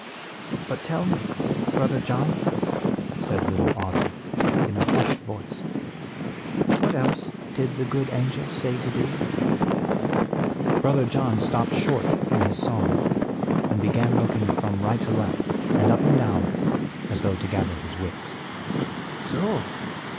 "But tell me, Brother John," said little Otto, in a hushed voice, "what else did the good Angel say to thee?" Brother John stopped short in his song and began looking from right to left, and up and down, as though to gather his wits. "So!"